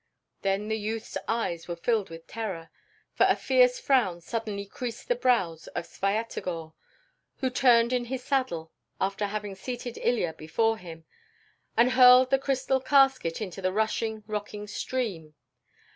Then the youth's eyes were filled with terror, for a fierce frown suddenly creased the brows of Svyatogor, who turned in his saddle, after having seated Ilya before him, and hurled the crystal casket into the rushing, rocking stream.